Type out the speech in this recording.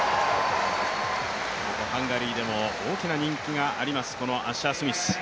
ハンガリーでも大きな人気がありますアッシャースミス。